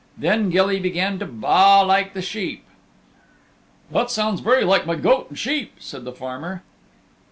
Then Gilly began to baa like the sheep. "That sounds very like my goat and sheep," said the farmer.